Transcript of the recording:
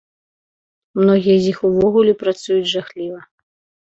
Многія з іх увогуле працуюць жахліва.